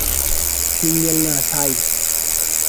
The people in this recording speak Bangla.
সিংগেল না ছাই!